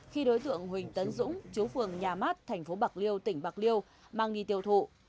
khi đối tượng huỳnh tấn dũng chú phường nhà mát thành phố bạc liêu tỉnh bạc liêu mang đi tiêu thụ